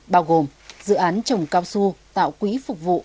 bao gồm dự án trồng cao su tạo quý phục vụ